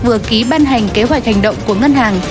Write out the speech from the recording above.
vừa ký ban hành kế hoạch hành động của ngân hàng